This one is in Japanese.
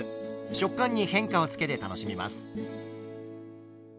食感に変化をつけて楽しみます。